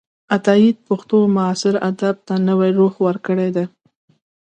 عطاييد پښتو معاصر ادب ته نوې روح ورکړې ده.